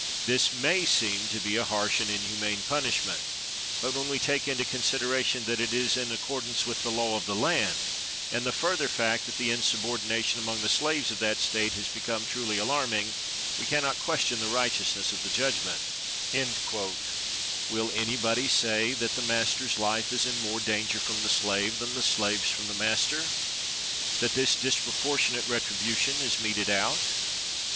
This may seem to be a harsh and inhuman punishment; but, when we take into consideration that it is in accordance with the law of the land, and the further fact that the insubordination among the slaves of that state has become truly alarming, we cannot question the righteousness of the judgment. Will anybody say that the master's life is in more danger from the slave than the slave's from the master, that this disproportionate retribution is meted out?